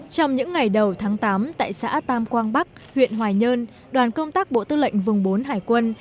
trong những ngày đầu tháng tám tại xã tam quang bắc huyện hoài nhơn đoàn công tác bộ tư lệnh vùng bốn hải quân